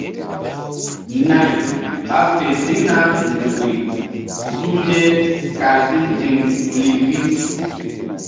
Nay ɓa fe ziŋna nzukri suhze kal si ziŋ duli pi.